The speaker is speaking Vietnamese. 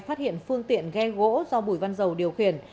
phát hiện phương tiện ghe gỗ do bùi văn dầu điều khiển